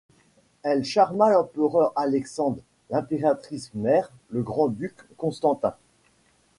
Elle charma l'empereur Alexandre, l'impératrice mère, le grand-duc Constantin.